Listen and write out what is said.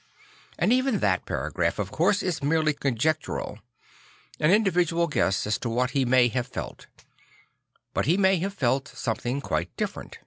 And even that paragraph, of course, is merely conjectural, an individual guess at what he may have felt; but he may have felt something quite different.